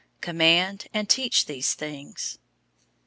004:011 Command and teach these things.